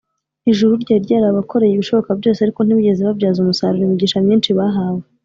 ijuru ryari ryarabakoreye ibishoboka byose, ariko ntibigeze babyaza umusaruro imigisha myinshi bahawe